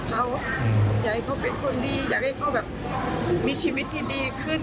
เขาอยากให้เขาเป็นคนดีอยากให้เขาแบบมีชีวิตที่ดีขึ้น